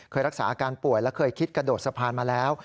เคยรักษาอาการป่วยและเคยคิดกระโดดสะพานมาแล้ว